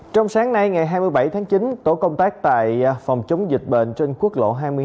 trong sáng nay ngày hai mươi bảy tháng chín tổ công tác tại phòng chống dịch bệnh trên quốc lộ hai mươi hai